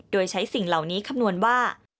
โดยใช้สิ่งเหล่านี้คำนวณว่า